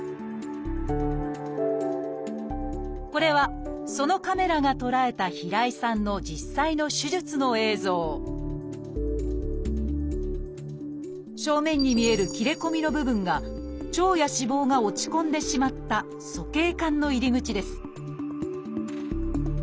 これはそのカメラが捉えた平井さんの実際の手術の映像正面に見える切れ込みの部分が腸や脂肪が落ち込んでしまった鼠径管の入り口です